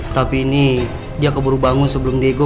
tapi ini dia keburu bangun sebelum diego